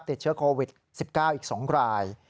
ติดเชื้อโควิด๑๙อีก๒ราย